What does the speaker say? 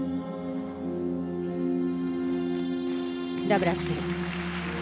ダブルアクセル。